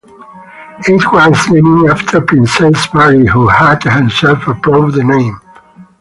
It was named after Princess Marie who had herself approved the name.